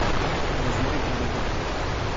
Heureusement il pleuvait beaucoup.